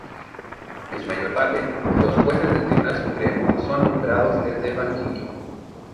En su mayor parte, los jueces del Tribunal Supremo son nombrados desde el banquillo.